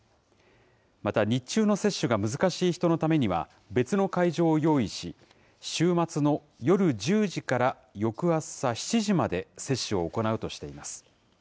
また、日中の接種が難しい人のためには、別の会場を用意し、週末の夜１０時から翌朝７時まで、接種を行うとしています。